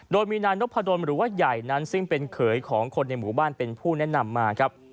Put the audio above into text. โดยมีนายนพดลหรือว่าใหญ่นั้นซึ่งเป็นเขยของคนในหมู่บ้านเป็นผู้แนะนำมาครับ